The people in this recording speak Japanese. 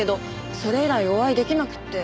それ以来お会いできなくて。